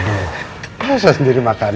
nggak usah sendiri makan